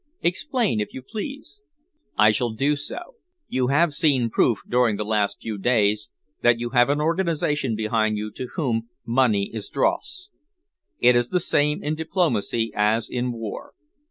"Explain if you please." "I shall do so. You have seen proof, during the last few days, that you have an organisation behind you to whom money is dross. It is the same in diplomacy as in war.